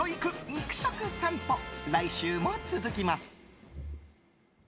肉食さんぽ来週も続きます。